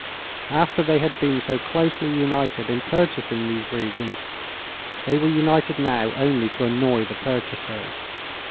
After they had been so closely united in purchasing these regions they were united now only to annoy the purchasers.